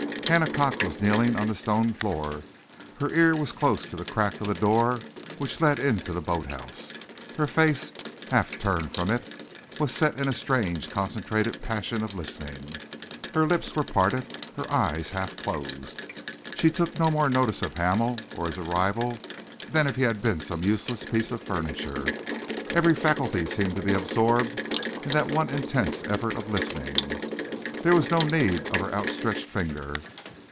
Hannah Cox was kneeling on the stone floor. Her ear was close to the crack of the door which led into the boat house. Her face, half turned from it, was set in a strange, concentrated passion of listening; her lips were parted, her eyes half closed. She took no more notice of Hamel or his arrival than if he had been some useless piece of furniture. Every faculty seemed to be absorbed in that one intense effort of listening. There was no need of her out stretched finger.